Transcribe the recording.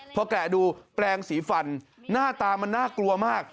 พอแกะดูแปลงสีฟันหน้าตามันน่ากลัวมาก